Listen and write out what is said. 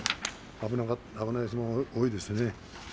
危ない相撲も多いんですよね。